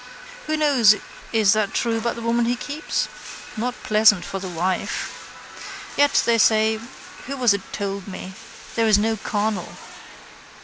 Who knows is that true about the woman he keeps? Not pleasant for the wife. Yet they say, who was it told me, there is no carnal.